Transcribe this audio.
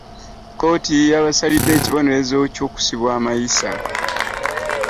Kkooti yabasalidde ekibonerezo kykusibwa mayisa.